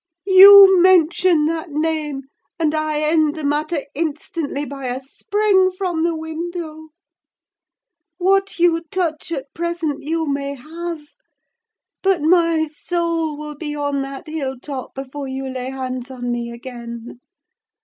You mention that name and I end the matter instantly by a spring from the window! What you touch at present you may have; but my soul will be on that hill top before you lay hands on me again.